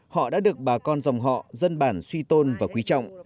họ đã được bà con dòng họ dân bản suy tôn và quý trọng